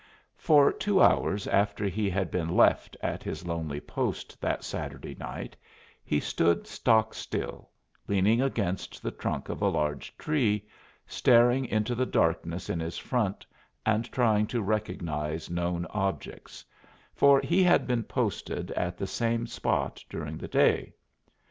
For two hours after he had been left at his lonely post that Saturday night he stood stock still, leaning against the trunk of a large tree, staring into the darkness in his front and trying to recognize known objects; for he had been posted at the same spot during the day.